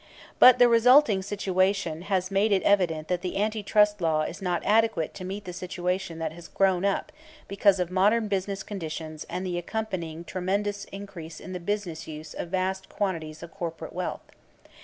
But the resulting situation has made it evident that the Anti Trust Law is not adequate to meet the situation that has grown up because of modern business conditions and the accompanying tremendous increase in the business use of vast quantities of corporate wealth.